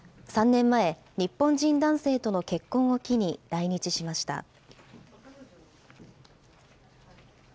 ３年前、日本人男性との結婚を機に、来日しました。